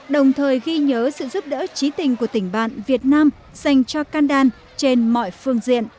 đồng thời ghi nhớ sự giúp đỡ trí tình của tỉnh bạn việt nam dành cho kandan trên mọi phương diện